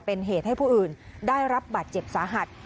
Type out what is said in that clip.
เป็นเหตุให้ผู้อื่นได้รับบาดเจ็บสาหัส